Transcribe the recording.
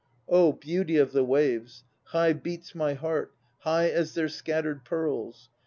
Oh! beauty of the waves! High beats my heart, High as their scattered pearls!